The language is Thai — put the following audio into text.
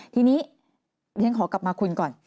ทีนี้อย่างนั้นขอกลับมาคุณก่อน